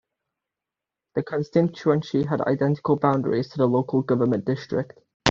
The constituency had identical boundaries to the local government district.